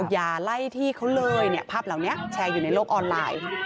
อย่าไล่ที่เขาเลยเนี่ยภาพเหล่านี้แชร์อยู่ในโลกออนไลน์